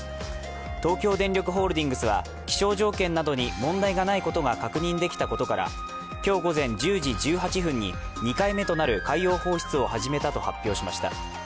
東京電力ホールディングスは気象条件などに問題がないことが確認できたことから今日午前１０時１８分に２回目となる海洋放出を始めたと発表しました。